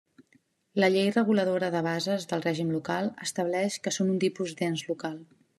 La Llei Reguladora de Bases del Règim Local estableix que són un tipus d'ens local.